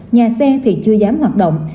nhà xe thì chưa dám hoạt động